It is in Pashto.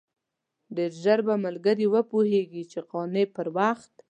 ډېر ژر به ملګري وپوهېږي چې قانع پر وخت.